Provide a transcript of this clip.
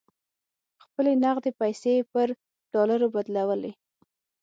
خپلې نغدې پیسې یې پر ډالرو بدلولې.